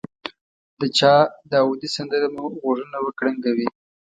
د چا داودي سندره مو غوږونه وکړنګوي.